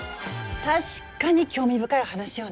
確かに興味深い話よね。